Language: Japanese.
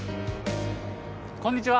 こんにちは。